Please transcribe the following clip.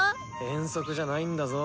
遠足じゃないんだぞ。